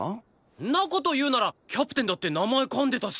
んな事言うならキャプテンだって名前かんでたし。